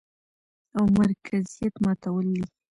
او مرکزيت ماتول دي،